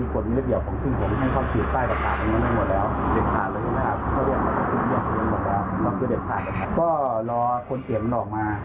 ก็คงไม่เอาถ้าไม่นั้นให้อีกคนเก็บมันออกมา